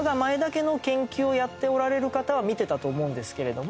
家の研究をやっておられる方は見てたと思うんですけれども。